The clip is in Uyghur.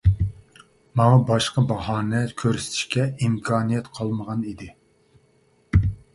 ماڭا باشقا باھانە كۆرسىتىشكە ئىمكانىيەت قالمىغان ئىدى.